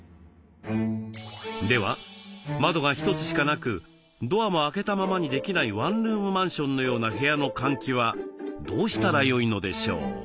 では窓が一つしかなくドアも開けたままにできないワンルームマンションのような部屋の換気はどうしたらよいのでしょう？